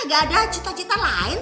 gak ada cita cita lain